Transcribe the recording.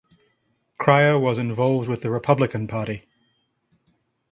Krier was involved with the Republican Party.